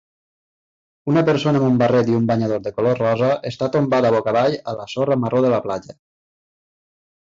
Una persona amb un barret i un banyador de color rosa està tombada boca avall a la sorra marró de la platja.